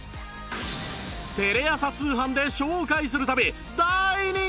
テレ朝通販で紹介する度大人気！